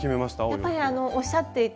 やっぱりおっしゃっていた